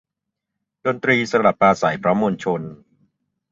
ดนตรีสลับปราศรัยพร้อมมวลชน